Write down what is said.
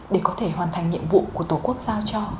để có thể hoàn thành nhiệm vụ của tổ quốc giao cho